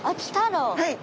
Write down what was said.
はい。